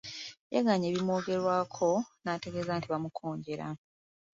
Yeegaanye ebimwogerwako n’ategeeza nti bamukonjera.